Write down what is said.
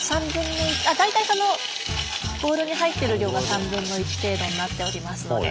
大体そのボウルに入ってる量が３分の１程度になっておりますので。